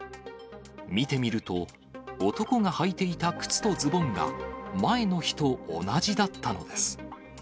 見てみると、男がはいていた靴とズボンが、前の日と同じだったのです。